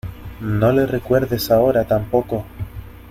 no le recuerdes ahora tampoco.